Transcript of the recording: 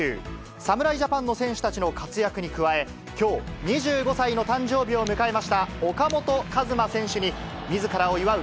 侍ジャパンの選手たちの活躍に加え、きょう、２５歳の誕生日を迎えました岡本和真選手に、みずからを祝う